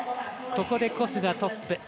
ここでコスがトップ。